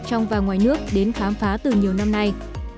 trong và ngoài nước đến khám phá từ nhiều năm nay